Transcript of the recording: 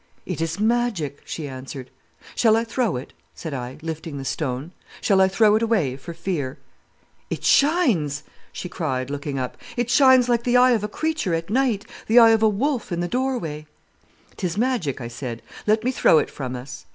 "'It is magic,' she answered. "'Shall I throw it?' said I, lifting the stone, 'shall I throw it away, for fear?' "'It shines!' she cried, looking up. 'It shines like the eye of a creature at night, the eye of a wolf in the doorway.' "''Tis magic,' I said, 'let me throw it from us.